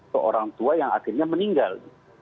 ke orang tua yang akhirnya meninggal